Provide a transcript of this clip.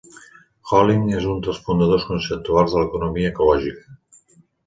Holling és un dels fundadors conceptuals de l'economia ecològica.